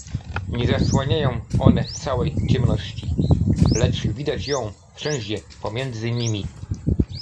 Nie zasłaniają one całej ciemności, lecz widać ją wszędzie pomiędzy nimi.